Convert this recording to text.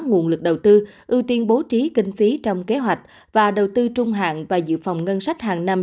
nguồn lực đầu tư ưu tiên bố trí kinh phí trong kế hoạch và đầu tư trung hạn và dự phòng ngân sách hàng năm